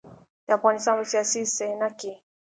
د افغانستان په سياسي صحنه کې.